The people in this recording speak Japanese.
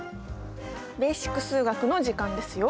「ベーシック数学」の時間ですよ。